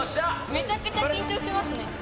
めちゃくちゃ緊張しますね。